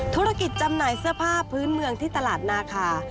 จำหน่ายเสื้อผ้าพื้นเมืองที่ตลาดนาคา